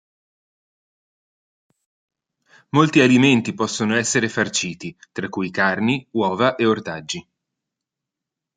Molti alimenti possono essere farciti, tra cui carni, uova e ortaggi.